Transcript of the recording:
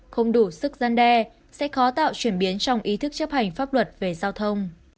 không đủ sức gian đe sẽ khó tạo chuyển biến trong ý thức chấp hành pháp luật về giao thông